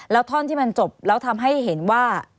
แล้วท่อนที่มันจบแล้วทำให้เห็นว่า